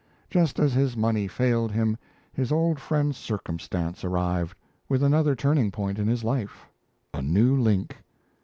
Just as his money failed him, his old friend circumstance arrived, with another turning point in his life a new link.